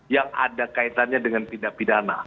yang ada kaitannya dengan tindak pidana